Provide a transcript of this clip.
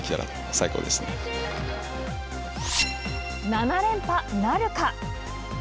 ７連覇、なるか。